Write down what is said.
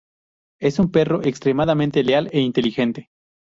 Es un perro extremadamente leal e inteligente.